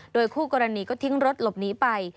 โดยคู่กรณีก็ทิ้งรถหลบหนีไป